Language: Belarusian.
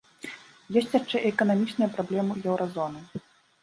Ёсць яшчэ і эканамічныя праблемы еўразоны.